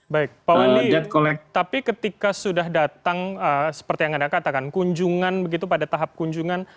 baik pak wandi tapi ketika sudah datang seperti yang anda katakan kunjungan begitu pada tahap kunjungan